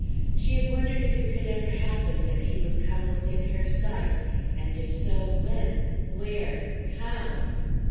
She had wondered if it could ever happen that he would come within her sight, and if so, when, where, how.